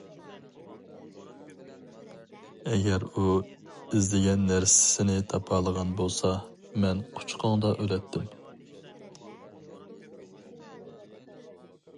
ئەگەر ئۇ ئىزدىگەن نەرسىسىنى تاپالىغان بولسا، مەن قۇچىقىڭدا ئۆلەتتىم.